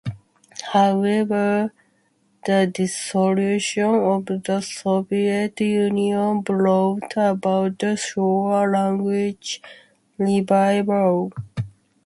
However, the dissolution of the Soviet Union brought about the Shor language revival.